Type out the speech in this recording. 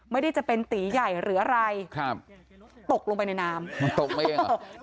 ไม่ได้จะเป็นตีใหญ่หรืออะไรครับตกลงไปในน้ำมันตกไปเอง